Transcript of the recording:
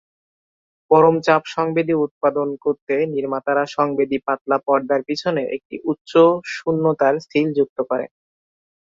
পরম চাপ সংবেদী উৎপাদন করতে নির্মাতারা সংবেদী পাতলা পর্দার পিছনে একটি উচ্চ শূন্যতার সীল যুক্ত করেন।